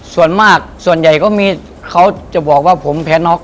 ส่วนมากส่วนใหญ่ก็มีเขาจะบอกว่าผมแพ้น็อก